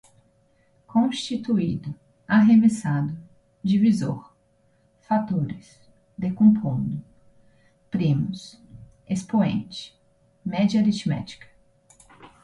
constituído, arremessado, divisor, fatores, decompondo, primos, expoente, média aritmética